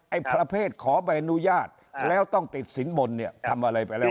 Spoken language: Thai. ประเภทขอใบอนุญาตแล้วต้องติดสินบนเนี่ยทำอะไรไปแล้ว